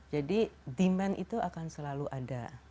jadi demand itu akan selalu ada